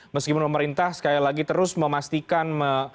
meskipun pemerintah sekali lagi terus memastikan